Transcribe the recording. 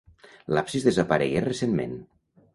L'absis desaparegué recentment.